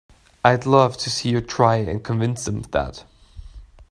I'd love to see you try and convince them of that!